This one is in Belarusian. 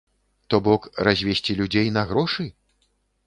То бок, развесці людзей на грошы?